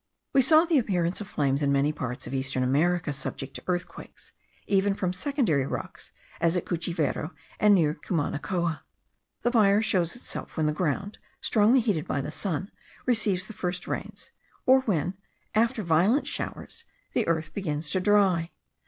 We saw the appearance of flames in many parts of eastern America subject to earthquakes, even from secondary rocks, as at Cuchivero, near Cumanacoa. The fire shows itself when the ground, strongly heated by the sun, receives the first rains; or when, after violent showers, the earth begins to dry.